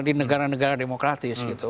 di negara negara demokratis gitu